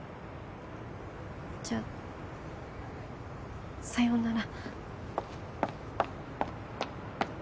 じゃあさようなら。